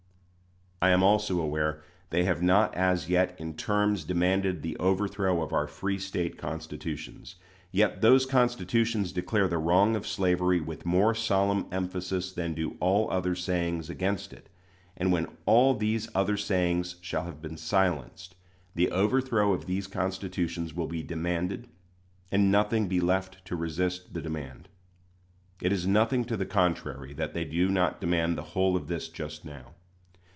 I am also aware they have not as yet in terms demanded the overthrow of our free State constitutions. Yet those constitutions declare the wrong of slavery with more solemn emphasis than do all other sayings against it; and when all these other sayings shall have been silenced, the overthrow of these constitutions will be demanded, and nothing be left to resist the demand. It is nothing to the contrary that they do not demand the whole of this just now.